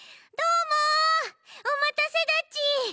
どーもおまたせだち！